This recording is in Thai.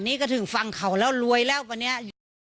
อันนี้ก็ถึงฟังเขาแล้วรวยแล้วกันเนี้ย